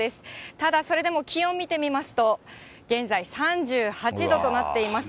ただそれでも気温見てみますと、現在、３８度となっています。